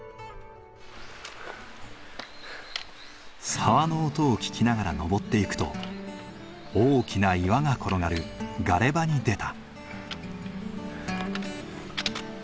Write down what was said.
沢の音を聞きながら登っていくと大きな岩が転がるガレ場に出た。